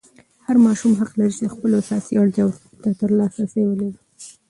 هر ماشوم حق لري چې د خپلو اساسي اړتیاوو ته لاسرسی ولري.